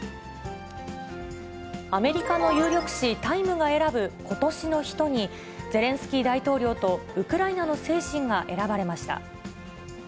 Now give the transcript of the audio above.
アメリカの有力紙、タイムが選ぶ今年の人に、ゼレンスキー大統領とウクライナの精神が選ばれました。